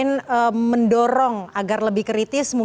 yang memiliki kemampuan yang memiliki kemampuan yang memiliki kemampuan